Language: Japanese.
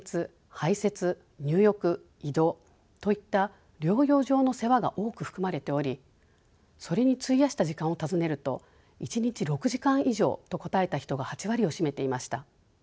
排せつ入浴移動といった療養上の世話が多く含まれておりそれに費やした時間を尋ねると１日６時間以上と答えた人が８割を占めていました。